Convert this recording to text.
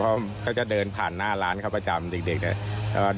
เพราะว่าเขาจะเดินผ่านหน้าร้านเข้าประจำเด็กนะครับ